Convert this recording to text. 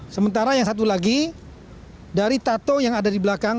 sementara yang satu lagi dari tato yang ada di belakang